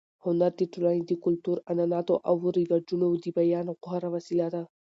هنر د ټولنې د کلتور، عنعناتو او رواجونو د بیان غوره وسیله ده.